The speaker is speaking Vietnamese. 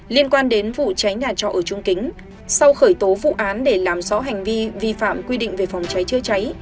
liên quan đến vụ cháy nhà trọ ở trung kính sau khởi tố vụ án để làm rõ hành vi vi phạm quy định về phòng cháy chữa cháy